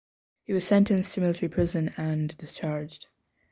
He was sentenced to military prison and discharged.